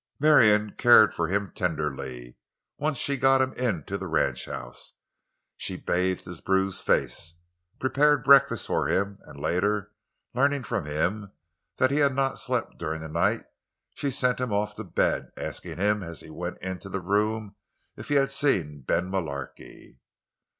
Marion cared for him tenderly, once she got him into the ranchhouse. She bathed his bruised face, prepared breakfast for him, and later, learning from him that he had not slept during the night, she sent him off to bed, asking him as he went into the room if he had seen Ben Mullarky.